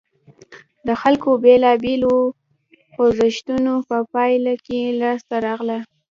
د خلکو بېلابېلو خوځښتونو په پایله کې لاسته راغله.